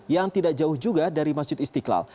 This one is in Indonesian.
yang tidak jauh juga dari masjid istiqlal